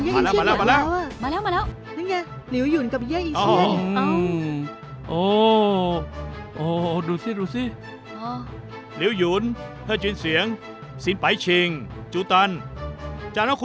ของเยี่ยมอยู่ทั้งหมดแล้ว